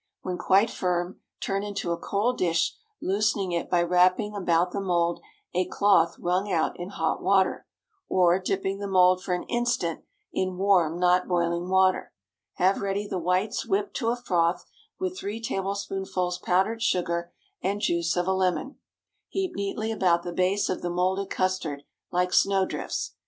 When quite firm, turn into a cold dish, loosening it by wrapping about the mould a cloth wrung out in hot water, or dipping the mould for an instant in warm, not boiling water. Have ready the whites whipped to a froth with three tablespoonfuls powdered sugar and juice of a lemon. Heap neatly about the base of the moulded custard, like snow drifts.